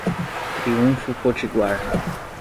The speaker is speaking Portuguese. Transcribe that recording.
Triunfo Potiguar